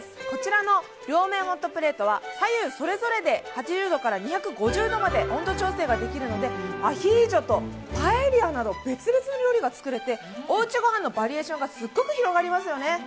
こちらの両面ホットプレートは左右それぞれで８０度から２５０度まで温度調整ができるのでアヒージョとパエリアなど別々の料理が作れておうちご飯のバリエーションがすっごく広がります。